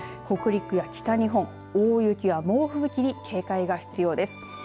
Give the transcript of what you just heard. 北陸や北日本、大雪や猛吹雪に警戒が必要です。